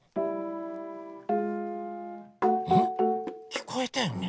きこえたよね？